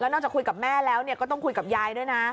นอกจากคุยกับแม่แล้วก็ต้องคุยกับยายด้วยนะ